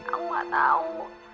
aku gak tau